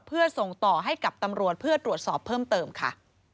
เพื่อส่งต่อให้กับตำรวจเพื่อตรวจสอบเพิ่มเติมค่ะ